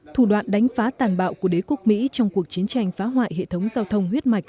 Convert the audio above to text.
thủ đoạn đánh phá tàn bạo của đế quốc mỹ trong cuộc chiến tranh phá hoại hệ thống giao thông huyết mạch